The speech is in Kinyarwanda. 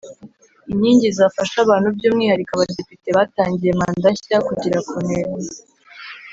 Inkingi zafasha abantu byumwihariko abadepite batangiye manda nshya kugera ku ntego